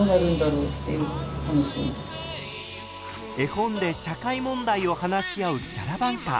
絵本で社会問題を話し合うキャラバンカー。